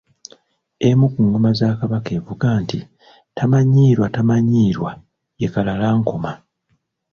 "Emu ku ngoma za Kabaka evuga nti “tamanyiirwa, tamanyiirwa” ye Kalalankoma."